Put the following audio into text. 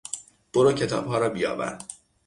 برو کتابها رابیاور!